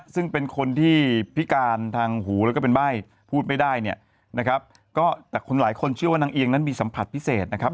ซึ่งเป็นคนที่พิการทางหูแล้วก็เป็นใบ้พูดไม่ได้เนี่ยนะครับก็แต่คนหลายคนเชื่อว่านางเอียงนั้นมีสัมผัสพิเศษนะครับ